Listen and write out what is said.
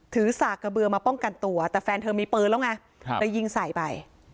สากกระเบือมาป้องกันตัวแต่แฟนเธอมีปืนแล้วไงเลยยิงใส่ไป